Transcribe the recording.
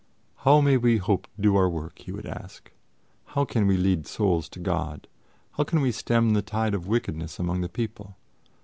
"How may we hope to do our work?" he would ask. "How can we lead souls to God? How can we stem the tide of wickedness among the people?